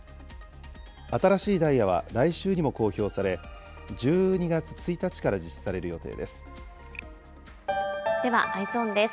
新しいダイヤは来週にも公表され、１２月１日から実施される予定でではＥｙｅｓｏｎです。